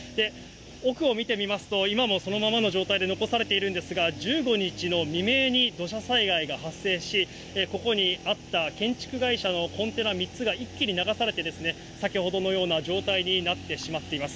奥を見てみますと、今もそのままの状態で１５日の未明に土砂災害が発生し、ここにあった建築会社のコンテナ３つが一気に流されて、先ほどのような状態になってしまっています。